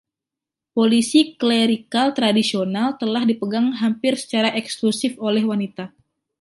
Posisi klerikal tradisional telah dipegang hampir secara eksklusif oleh wanita.